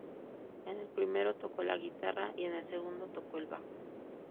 En el primero tocó la guitarra, y en el segundo tocó el bajo.